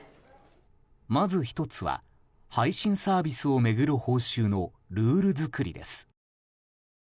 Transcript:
まず１つは、配信サービスを巡る報酬のルール作りです。